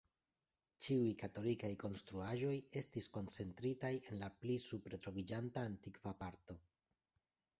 Ĉiuj katolikaj konstruaĵoj estis koncentritaj en la pli supre troviĝanta antikva parto.